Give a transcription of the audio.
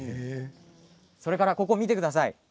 それからここを見てください。